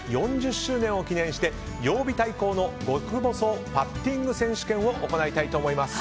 ４０周年を記念して曜日対抗の極細パッティング選手権を行いたいと思います。